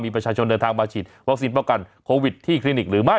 มีประชาชนเดินทางมาฉีดวัคซีนป้องกันโควิดที่คลินิกหรือไม่